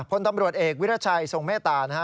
พลตำรวจเอกวิรัชัยทรงเมตตานะฮะ